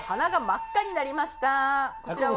こちらは？